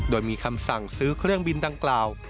โดยมีคำสั่งซื้อเครื่องบินดังกล่าว